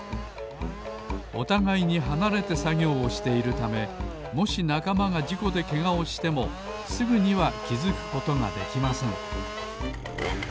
おたがいにはなれてさぎょうをしているためもしなかまがじこでけがをしてもすぐにはきづくことができません。